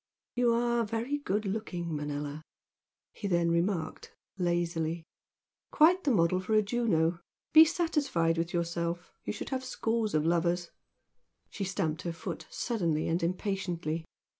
"You are very good looking, Manella" he then remarked, lazily "Quite the model for a Juno. Be satisfied with yourself. You should have scores of lovers!" She stamped her foot suddenly and impatiently.